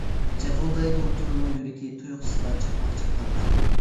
جىغىلدايدۇ تۈننىڭ يۈرىكى، تۇيۇقسىزلا چاقماق چاققاندا.